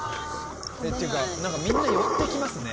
っていうかなんかみんな寄ってきますね。